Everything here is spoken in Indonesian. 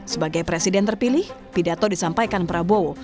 sebagai presiden terpilih pidato disampaikan prabowo